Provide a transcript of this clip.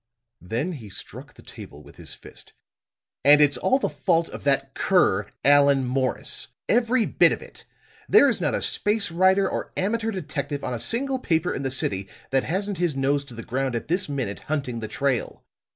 Then he struck the table with his fist. "And it's all the fault of that cur Allan Morris! Every bit of it! There is not a space writer or amateur detective on a single paper in the city that hasn't his nose to the ground at this minute, hunting the trail.